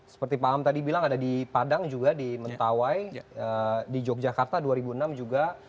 seperti pak am tadi bilang ada di padang juga di mentawai di yogyakarta dua ribu enam juga